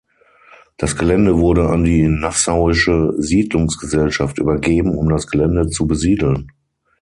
Das Gelände wurde an die Nassauische Siedlungsgesellschaft übergeben, um das Gelände zu besiedeln.